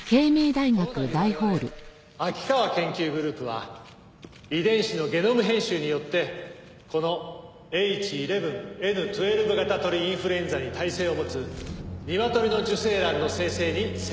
「この度我々秋川研究グループは遺伝子のゲノム編集によってこのＨ１１Ｎ１２型鳥インフルエンザに耐性を持つニワトリの受精卵の生成に成功しました」